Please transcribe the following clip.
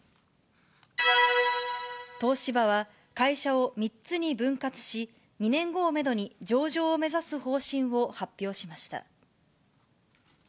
東芝は、会社を３つに分割し、２年後をメドに、上場を目指す方針を発表しました。